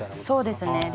そうですね。